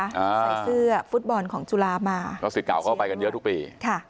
อ่าใส่เสื้อฟุตบอลของจุฬามาก็สิทธิ์เก่าเข้าไปกันเยอะทุกปีค่ะ